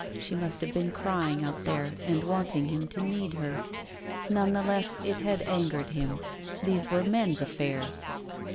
She must have been crying out there and wanting him to need her. None the less it had angered him. These were men's affairs.